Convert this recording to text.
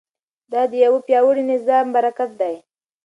دا د یو پیاوړي نظام برکت دی.